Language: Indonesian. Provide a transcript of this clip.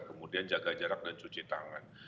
kemudian jaga jarak dan cuci tangan